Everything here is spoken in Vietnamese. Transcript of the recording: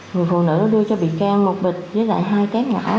người phụ nữ đưa cho bị can một bịch với lại hai cát nhỏ